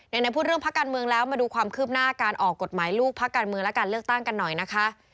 ไหนพูดเรื่องพักการเมืองแล้วมาดูความคืบหน้าการออกกฎหมายลูกพักการเมืองและการเลือกตั้งกันหน่อยนะคะ